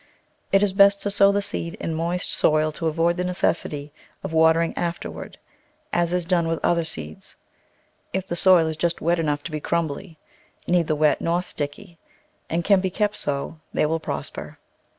It is best to sow the seed in moist soil to avoid the necessity of watering afterward, as is done with other seeds ; if the soil is just wet enough to be crumbly, neither wet nor sticky, and can be kept so, they will prosper.